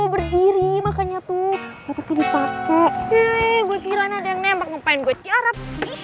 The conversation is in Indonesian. berdiri makanya tuh pakai pakai gue kirain ada yang nempel ngapain gue carap